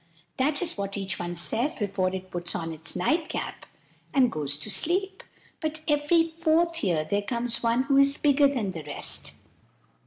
That is what each one says before it puts on its nightcap and goes to sleep. But every fourth year there comes one who is bigger than the rest.